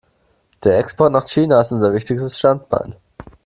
Der Export nach China ist unser wichtigstes Standbein.